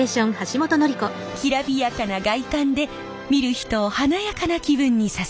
きらびやかな外観で見る人を華やかな気分にさせます。